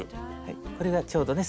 これがちょうどね